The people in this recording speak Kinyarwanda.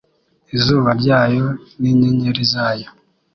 Izuba ryayo n'inyenyeri zayo